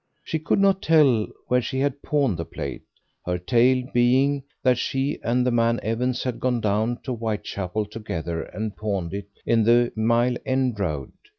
She could not tell where she had pawned the plate, her tale being that she and the man Evans had gone down to Whitechapel together and pawned it in the Mile End Road.